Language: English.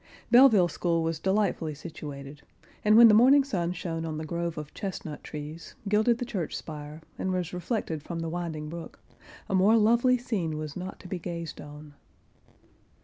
Belleville school was delightfully situated, and when the morning sun shone on the grove of chestnut trees, gilded the church spire, and was reflected from the winding brook, a more lovely scene was not to be gazed on.